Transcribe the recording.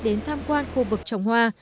đến tham quan khu vực trồng hoa